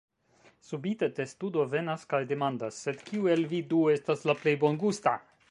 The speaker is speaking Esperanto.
Subite, testudo venas kaj demandas: "Sed kiu el vi du estas la plej bongusta?"